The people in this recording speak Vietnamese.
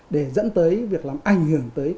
để dẫn tới việc làm ảnh hưởng tới